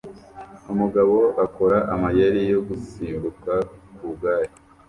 Umugabo akora amayeri yo gusimbuka ku igare